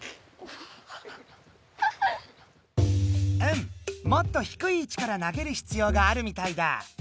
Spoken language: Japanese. うんもっと低い位置から投げるひつようがあるみたいだ。